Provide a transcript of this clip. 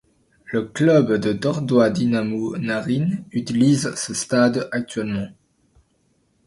Le club de Dordoi-Dynamo Naryn utilise ce stade actuellement.